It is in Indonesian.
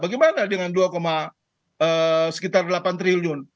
bagaimana dengan dua sekitar delapan triliun